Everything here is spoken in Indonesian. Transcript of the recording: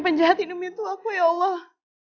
penjahat ini bintu aku ya allah